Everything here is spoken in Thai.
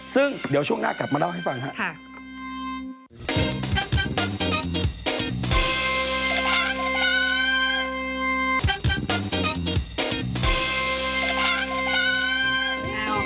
ซึ่งเดี๋ยวช่วงหน้ากลับมาเล่าให้ฟังครับ